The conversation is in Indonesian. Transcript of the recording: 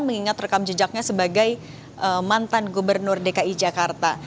mengingat rekam jejaknya sebagai mantan gubernur dki jakarta